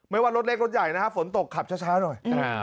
ว่ารถเล็กรถใหญ่นะฮะฝนตกขับช้าหน่อย